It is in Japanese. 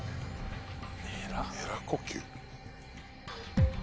エラ呼吸？